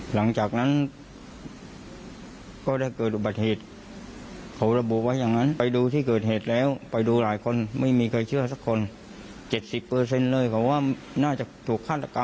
หลังจากนั้นก็ได้เกิดอุบัติเหตุเขาระบุไว้อย่างนั้นไปดูที่เกิดเหตุแล้วไปดูหลายคนไม่มีใครเชื่อสักคน๗๐เลยเขาว่าน่าจะถูกฆาตกรรม